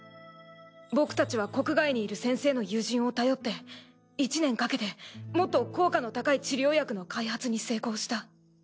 僕たちは国外にいる先生の友人を頼って１年かけてもっと効果の高い治療薬の開発に成功した。